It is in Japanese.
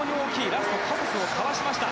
ラストでカサスをかわしました。